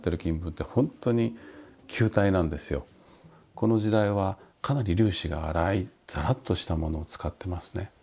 この時代はかなり粒子が粗いざらっとしたものを使ってますね。